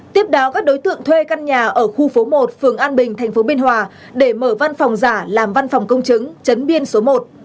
tiếp đó các đối tượng thuê căn nhà ở khu phố một phường an bình tp biên hòa để mở văn phòng giả làm văn phòng công chứng chấn biên số một